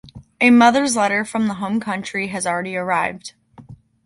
A mother’s letter from the home country has already arrived.